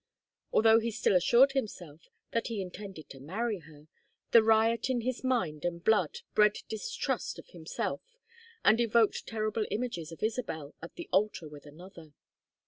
Although he still assured himself that he intended to marry her, the riot in his mind and blood bred distrust of himself and evoked terrible images of Isabel at the altar with another.